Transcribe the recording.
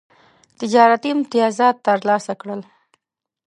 تجارتي امتیازات ترلاسه کړل.